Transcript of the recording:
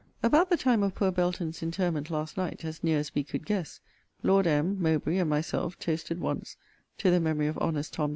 About the time of poor Belton's interment last night, as near as we could guess, Lord M., Mowbray, and myself, toasted once, To the memory of honest Tom.